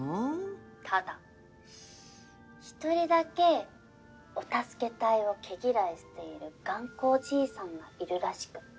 ただ一人だけお助け隊を毛嫌いしている頑固おじいさんがいるらしくって。